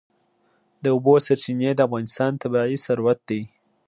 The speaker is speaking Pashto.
د اوبو سرچینې د افغانستان طبعي ثروت دی.